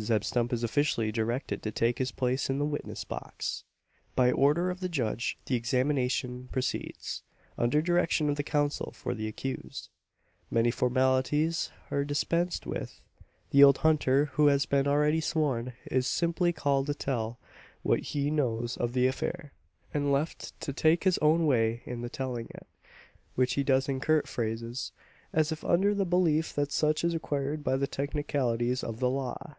Zeb Stump is officially directed to take his place in the "witness box." By order of the judge, the examination proceeds under direction of the counsel for the accused. Many formalities are dispensed with. The old hunter, who has been already sworn, is simply called to tell what he knows of the affair; and left to take his own way in the telling it; which he does in curt phrases as if under the belief that such is required by the technicalities of the law!